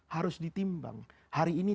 harus ditimbang hari ini